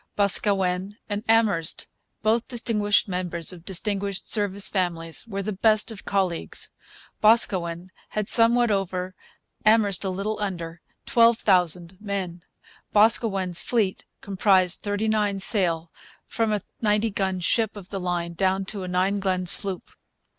Boscawen and Amherst, both distinguished members of distinguished Service families, were the best of colleagues. Boscawen had somewhat over, Amherst a little under, 12,000 men. Boscawen's fleet comprised 39 sail, from a 90 gun ship of the line down to a 12 gun sloop.